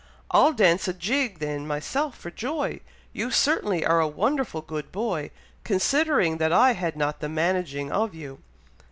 I'll dance a jig then myself for joy you certainly are a wonderful good boy, considering that I had not the managing of you."